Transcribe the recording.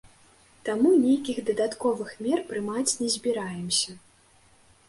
Таму нейкіх дадатковых мер прымаць не збіраемся.